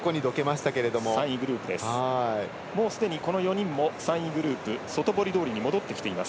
すでにこの４人も３位グループ外堀通りに戻ってきています。